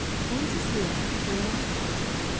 FANTASIA FOR MOUTH ORGAN.